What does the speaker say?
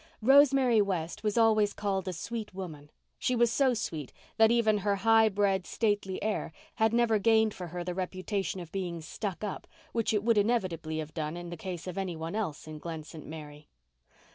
Rosemary West was always called a "sweet woman." She was so sweet that even her high bred, stately air had never gained for her the reputation of being "stuck up," which it would inevitably have done in the case of anyone else in Glen St. Mary.